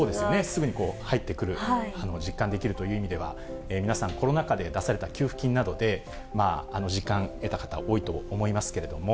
すぐに入ってくる、実感できるという意味では、皆さん、コロナ禍で出された給付金などで、あの実感得た方多いと思いますけれども。